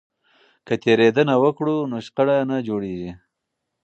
که تیریدنه وکړو نو شخړه نه جوړیږي.